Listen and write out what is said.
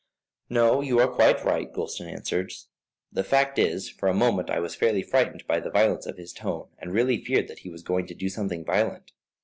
"No, you are quite right," Gulston answered; "the fact is, for the moment I was fairly frightened by the violence of his tone, and really feared that he was going to do something violent.